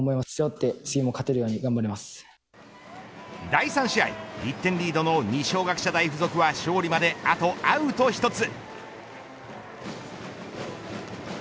第３試合１点リードの二松学舎大学附属は勝利まで、あとアウト１つ。